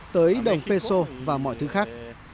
tới đồng peso và mọi thứ khác